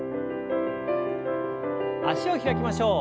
脚を開きましょう。